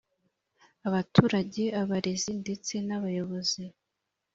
abaturage, abarezi ndetse n’abayobozi